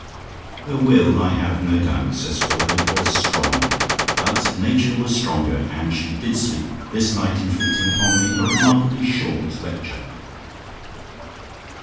"Her will, I have no doubt," says Caudle, "was strong; but nature was stronger, and she did sleep; this night inflicting upon me a remarkably short lecture."